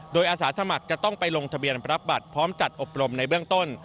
โดยอาสาสมัครจะต้องไปลงทะเบียนรับบัตรพร้อมจัดอบรมในเบื้องต้น